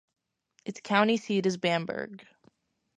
Its county seat is Bamberg.